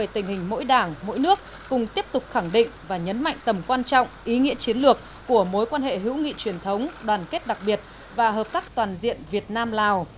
tình hình mỗi đảng mỗi nước cùng tiếp tục khẳng định và nhấn mạnh tầm quan trọng ý nghĩa chiến lược của mối quan hệ hữu nghị truyền thống đoàn kết đặc biệt và hợp tác toàn diện việt nam lào